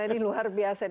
ayo nih semua harus datang